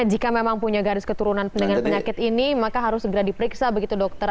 jika memang punya garis keturunan dengan penyakit ini maka harus segera diperiksa begitu dokter